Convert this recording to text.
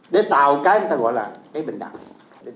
để tạo cái người ta gọi là cái bình đẳng